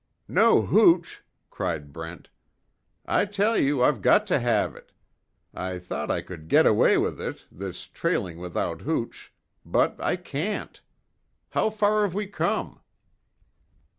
"No hooch!" cried Brent, "I tell you I've got to have it! I thought I could get away with it, this trailing without hooch but, I can't. How far have we come?"